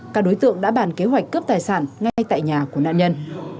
các đối tượng đã bàn kế hoạch cướp tài sản ngay tại nhà của nạn nhân